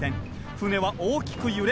船は大きく揺れ